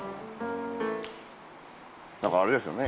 なんかあれですよね